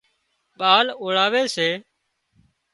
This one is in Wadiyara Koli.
ٻال اوۯاوي سي